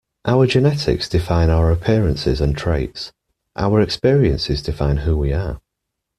Our genetics define our appearances and traits. Our experiences define who we are.